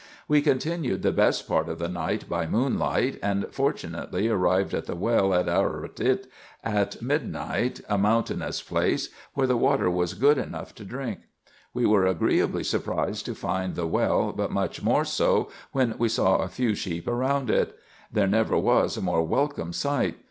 We continued the best part of the night by moonlight, and fortunately arrived at the well at Aharatret at midnight, a moun tainous place, where the water was good enough to drink. We were agreeably surprised to find the well, but much more so when we saw a few sheep around it. There never was a more welcome sight.